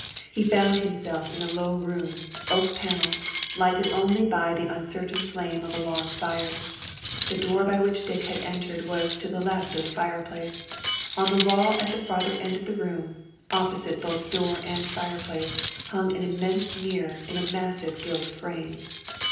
He found himself in a low room, oak panelled, lighted only by the uncertain flame a log fire. The door by which Dick had centered was to the left of the fireplace. On the wall at the farther end of the room, opposite both door and fireplace, hung an immense mirror in a massive gilt frame.